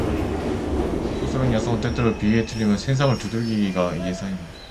광포스런 야성은, 때때로 비위에 틀리면 선생을 두들기기가 예사이며